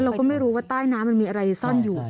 เราก็ไม่รู้ว่าใต้น้ำมันมีอะไรซ่อนอยู่